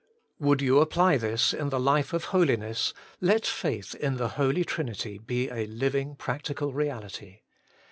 Would you apply this in the life of holiness, let faith in the Holy Trinity be a living practical reality.